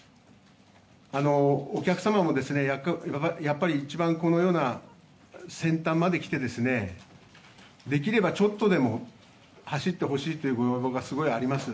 お客様も一番このような先端まで来てできればちょっとでも走ってほしいというご要望がすごいあります。